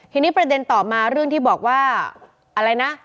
ทีนี้ประเด็นต่อมาเรื่องที่บอกว่าอะไรนะ